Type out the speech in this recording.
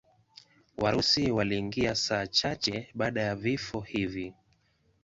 Warusi waliingia saa chache baada ya vifo hivi.